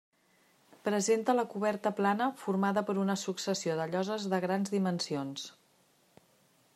Presenta la coberta plana formada per una successió de lloses de grans dimensions.